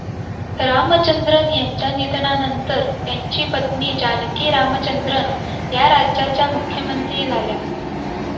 रामचंद्रन यांच्या निधनानंतर त्यांची पत्नी जानकी रामचंद्रन या राज्याच्या मुख्यमंत्री झाल्या.